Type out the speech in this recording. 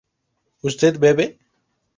usted bebe